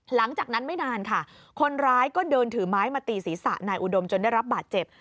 หลังจากนั้นไม่นานค่ะคนร้ายก็เดินถือไม้มาตีศีรษะนายอุดมจนได้รับบาดเจ็บ